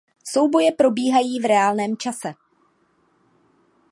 Souboje probíhají v reálném čase.